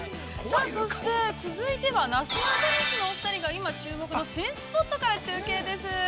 ◆そして続いては、なすなかにしのお二人が今注目の新スポットから中継です。